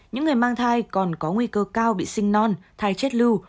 những người mang thai còn có nguy cơ cao bị sinh non thai chết lưu